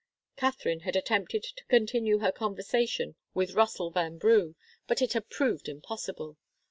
Katharine had attempted to continue her conversation with Russell Vanbrugh, but it had proved impossible.